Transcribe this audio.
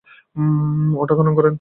ওটা খনন করবেন না?